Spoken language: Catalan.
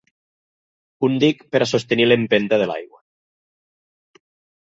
Un dic per a sostenir l'empenta de l'aigua.